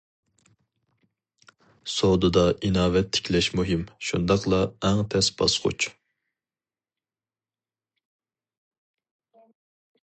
سودىدا ئىناۋەت تىكلەش مۇھىم، شۇنداقلا ئەڭ تەس باسقۇچ.